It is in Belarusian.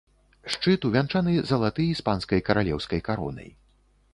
Шчыт увянчаны залаты іспанскай каралеўскай каронай.